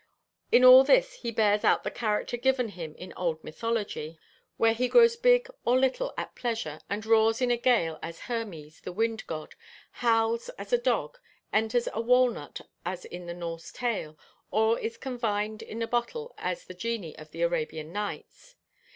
In all this he bears out the character given him in old mythology, where he grows big or little at pleasure, and roars in a gale as Hermes, the wind god, howls as a dog, enters a walnut as in the Norse Tale, or is confined in a bottle as the genie of the 'Arabian Nights.'